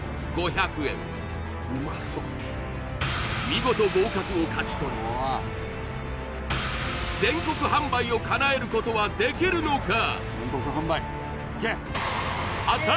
見事合格を勝ち取り全国販売を叶えることはできるのか？